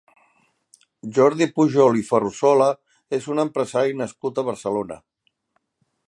Jordi Pujol i Ferrusola és un empresari nascut a Barcelona.